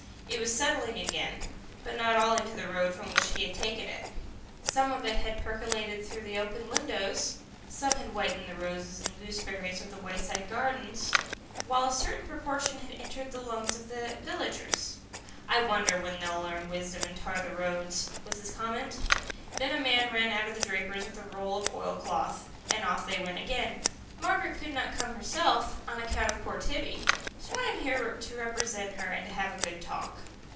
It was settling again, but not all into the road from which he had taken it. Some of it had percolated through the open windows, some had whitened the roses and gooseberries of the wayside gardens, while a certain proportion had entered the lungs of the villagers. "I wonder when they'll learn wisdom and tar the roads," was his comment. Then a man ran out of the draper's with a roll of oilcloth, and off they went again. "Margaret could not come herself, on account of poor Tibby, so I am here to represent her and to have a good talk."